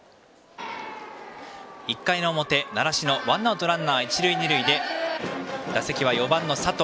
１回の表、習志野ワンアウトランナー、一塁二塁で打席は４番の佐藤。